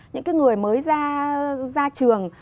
những cái người mới ra trường